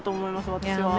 私は。